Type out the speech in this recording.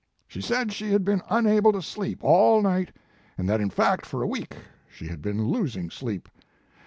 She said she had been unable to sleep all night and that in fact for a week she had been losing sleep.